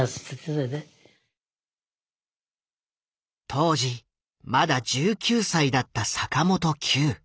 当時まだ１９歳だった坂本九。